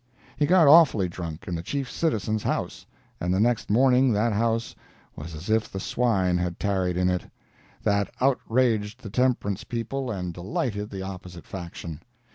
He got awfully drunk in the chief citizen's house, and the next morning that house was as if the swine had tarried in it. That outraged the temperance people and delighted the opposite faction.